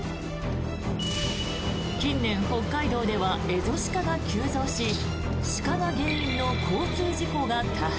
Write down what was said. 近年、北海道ではエゾシカが急増し鹿が原因の交通事故が多発。